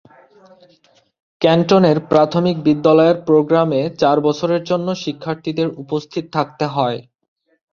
ক্যান্টনের প্রাথমিক বিদ্যালয়ের প্রোগ্রামে চার বছরের জন্য শিক্ষার্থীদের উপস্থিত থাকতে হয়।